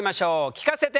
聞かせて！